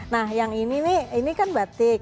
nah yang ini nih ini kan batik